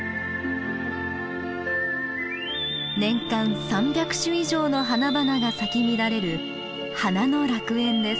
年間３００種以上の花々が咲き乱れる「花の楽園」です。